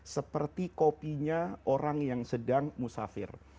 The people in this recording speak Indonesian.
seperti kopinya orang yang sedang musafir